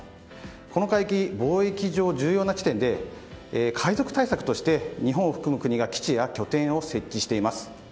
この海域、貿易上重要な地点で海賊対策として日本を含む国が基地や拠点を設置しています。